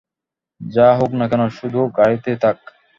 যাই হোক না কেন, শুধু গাড়িতে থাক।